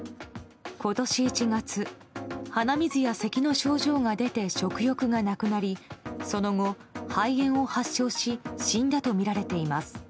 今年１月鼻水やせきの症状が出て食欲がなくなりその後、肺炎を発症し死んだとみられています。